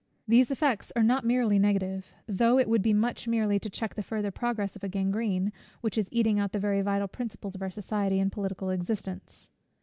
These effects are not merely negative: though it would be much, merely to check the farther progress of a gangrene, which is eating out the very vital principles of our social and political existence.